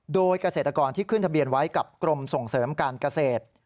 โดยเกษตรกรที่ขึ้นทะเบียนไว้กับกรมส่งเสริมการเกษตร